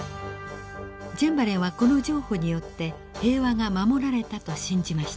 チェンバレンはこの譲歩によって平和が守られたと信じました。